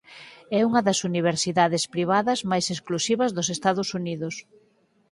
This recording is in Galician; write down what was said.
É unha das universidades privadas máis exclusivas dos Estados Unidos.